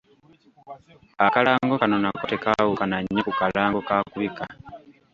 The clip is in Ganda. Akalango kano nako tekaawukana nnyo ku kalango ka kubika.